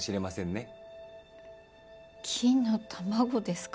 金の卵ですか？